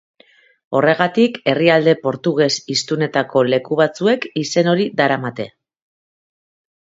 Horregatik herrialde portuges-hiztunetako leku batzuek izen hori daramate.